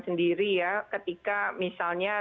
sendiri ya ketika misalnya